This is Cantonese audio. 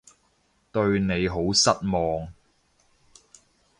對你好失望